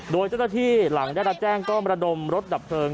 โดยเจ้าหน้าที่หลังได้รับแจ้งก็มระดมรถดับเพลิง